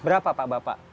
berapa pak bapak